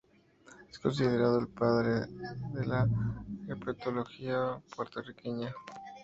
Es considerado el padre de la herpetología puertorriqueña.